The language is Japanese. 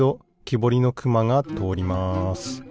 ぼりのくまがとおります。